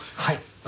はい。